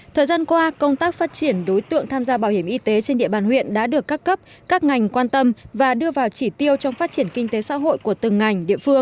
thời gian qua công tác phát triển đối tượng tham gia bảo hiểm y tế trên địa bàn huyện đã được các cấp các ngành quan tâm và đưa vào chỉ tiêu trong phát triển kinh tế xã hội của từng ngành địa phương